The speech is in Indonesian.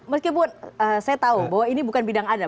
meskipun saya tahu bahwa ini bukan bidang adat